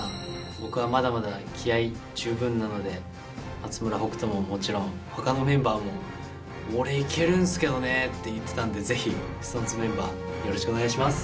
僕はまだまだ気合い十分なので松村北斗ももちろんほかのメンバーも「俺いけるんすけどね」って言ってたんでぜひＳｉｘＴＯＮＥＳメンバーよろしくお願いします。